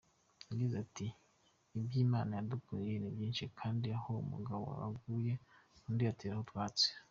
Yagize ati “Iby’Imana yadukoreye ni byinshi kandi aho umugabo aguye, undi ateraho utwatsi”